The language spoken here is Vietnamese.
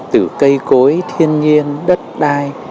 từ cây cối thiên nhiên đất đai